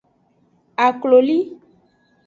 Akloli.